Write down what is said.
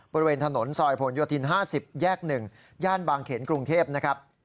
บริเวณถนนซอยผลโยธิน๕๐แยก๑ย่านบางเขนกรุงเทพนะครับ